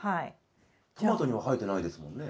トマトには生えてないですもんね。